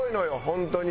本当に。